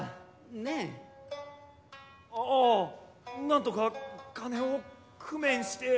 なんとか金を工面して。